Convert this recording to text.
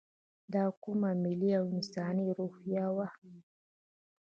دا کومه ملي او انساني روحیه وه.